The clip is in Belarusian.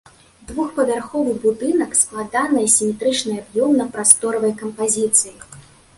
Двухпавярховы будынак складанай асіметрычнай аб'ёмна-прасторавай кампазіцыі.